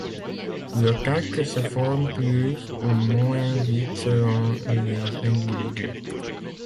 Le tartre se forme plus ou moins vite selon les individus.